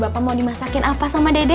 bapak mau dimasakin apa sama dede